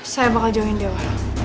saya bakal jauhin dewa